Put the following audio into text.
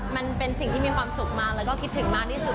มันเป็นสิ่งที่มีความสุขมากแล้วก็คิดถึงมากที่สุด